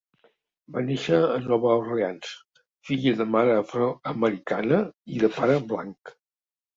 Va néixer a Nova Orleans, filla de mare afroamericana i de pare blanc.